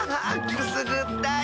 くすぐったい！